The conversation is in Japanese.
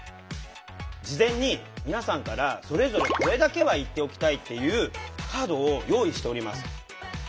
事前に皆さんからそれぞれこれだけは言っておきたいっていうカードを用意しております。